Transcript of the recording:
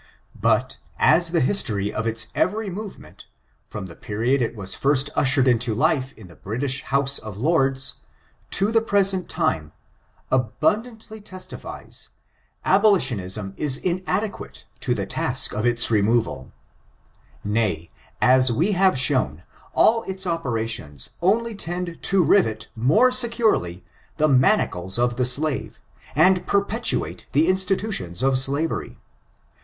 But, as the history of its every move ment, from the period it was first ushered into life in the British House of Lords, to the present time, abun dantly testifies, abolitionism is inadequate to the task of its removal ; nay, as we have shown, all its ope rations only tend to rivet more securely the manacles of the slave, and perpetuate the institution of slavery.